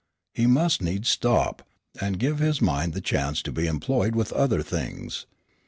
He must needs stop, and give his mind the chance to be employed with other things.